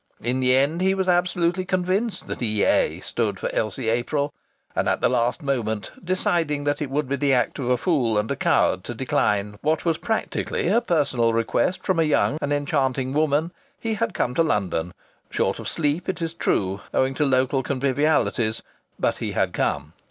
In the end he was absolutely convinced that E.A. stood for Elsie April; and at the last moment, deciding that it would be the act of a fool and a coward to decline what was practically a personal request from a young and enchanting woman, he had come to London short of sleep, it is true, owing to local convivialities, but he had come!